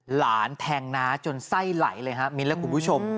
หลานแทงนาจนไส้ไหลเลยครับมีแล้วคุณผู้ชม